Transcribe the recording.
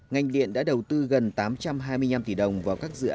ngành điện đã đầu tư gần tám trăm hai mươi năm tỷ đồng vào các dự án